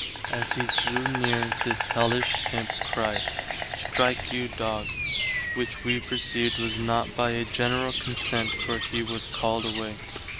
As he drew near, this Hellish Imp cried, Strike you doggs, which [wee] perceived was not by a general consent for he was called away.